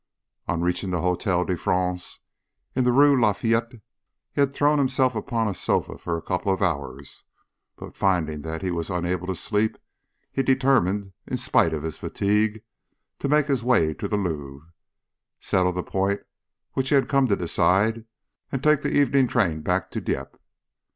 On reaching the Hotel de France, in the Rue Laffitte, he had thrown himself upon a sofa for a couple of hours, but finding that he was unable to sleep, he determined, in spite of his fatigue, to make his way to the Louvre, settle the point which he had come to decide, and take the evening train back to Dieppe.